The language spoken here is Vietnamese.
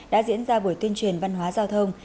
đã diễn ra buổi tuyên truyền văn hóa giao thông